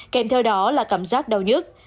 kèm theo đó là cảm giác đau nhức